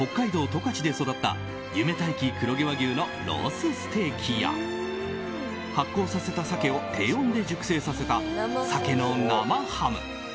十勝で育った夢大樹黒毛和牛のロースステーキや発酵させた鮭を低温で熟成させた鮭の生ハム。